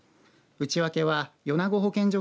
内訳は米子保健所